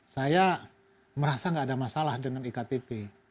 saya merasa nggak ada masalah dengan iktp